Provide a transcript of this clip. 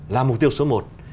là mục tiêu số một